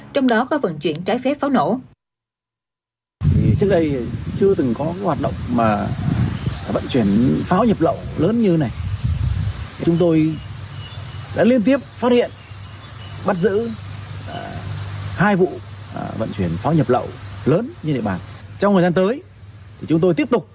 trong đó có vận chuyển trái phép pháo nổ